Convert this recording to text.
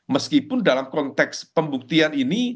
meskipun dalam konteks pembuktian ini